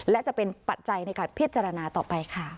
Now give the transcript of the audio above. และจะเป็นปัจจัยในการพิจารณาต่อไปค่ะ